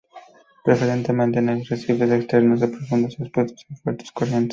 Preferentemente en arrecifes externos y profundos, expuestos a fuertes corrientes.